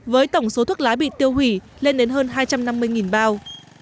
với tổng số thuốc lá bị tiêu hủy lên đến hơn hai trăm năm mươi bao